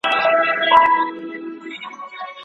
اقتصاد د مصرف کوونکو انتخابونه ارزوي.